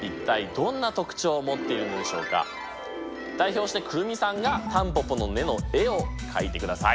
代表して来泉さんがタンポポの根の絵を描いてください。